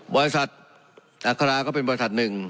บริษัทอัคราก็เป็นบริษัทหนึ่ง